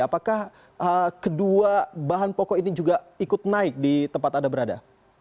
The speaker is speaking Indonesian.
apakah kedua bahan pokok ini juga ikut naik di tempat anda berada